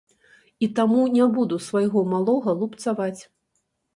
І таму не буду свайго малога лупцаваць.